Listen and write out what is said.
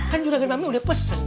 kan juragan mami udah pesen